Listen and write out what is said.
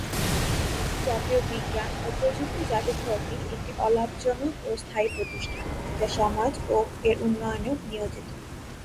জাতীয় বিজ্ঞান ও প্রযুক্তি জাদুঘরটি একটি অলাভজনক ও স্থায়ী প্রতিষ্ঠান, যা সমাজ ও এর উন্নয়নে নিয়োজিত।